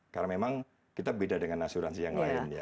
karena memang kita beda dengan asuransi yang lain ya